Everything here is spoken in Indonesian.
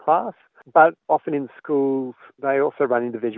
tapi terkadang di sekolah mereka juga menggunakan pelajaran individu